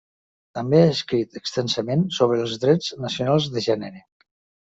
També ha escrit extensament sobre els drets nacionals de gènere.